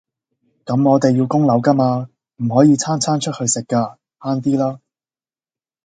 咁我哋要供樓㗎嘛，唔可以餐餐出去食㗎，慳啲啦